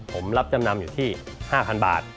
ผมรับจำนำอยู่ที่๕๐๐บาท